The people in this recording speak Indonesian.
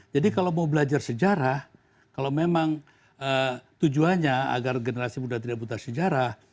jadi kalau mau belajar sejarah kalau memang tujuannya agar generasi muda tidak buta sejarah